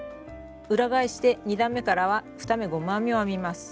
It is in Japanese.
裏返して２段めからは２目ゴム編みを編みます。